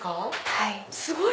はい。